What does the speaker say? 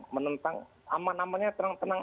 menentang aman namanya tenang tenang